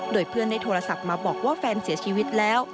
โดยเพื่อนได้โทรศัพท์มาบอกว่าแฟนเสียชีวิตแล้ว